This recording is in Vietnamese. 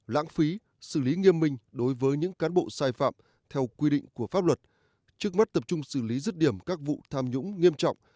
lãng phí xử lý nghiêm minh đối với những cán bộ sai phạm theo quy định của pháp luật trước mắt tập trung xử lý rứt điểm các vụ tham nhũng nghiêm trọng